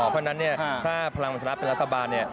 เพราะฉะนั้นถ้าพลังมันสนับเป็นรัฐบาล